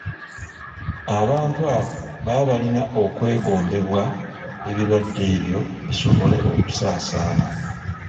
Abantu abo baba balina okwegombebwa ebirwadde ebyo bisobole okusaasaana.